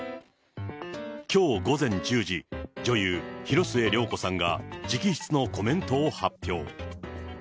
きょう午前１０時、女優、広末涼子さんが直筆のコメントを発表。